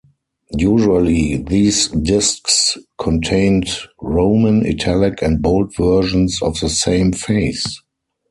Usually these disks contained roman, italic and bold versions of the same face.